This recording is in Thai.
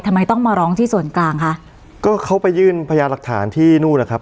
ทำไมต้องมาร้องที่ส่วนกลางคะก็เขาไปยื่นพยาหลักฐานที่นู่นแหละครับ